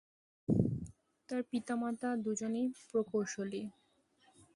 তার পিতা-মাতা দুজনই প্রকৌশলী।